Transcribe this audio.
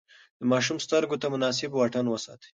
د ماشوم سترګو ته مناسب واټن وساتئ.